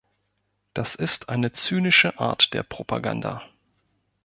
Das ist eine zynische Art der Propaganda.